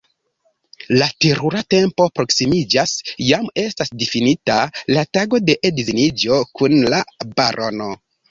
La terura tempo proksimiĝas: jam estas difinita la tago de edziniĝo kun la barono.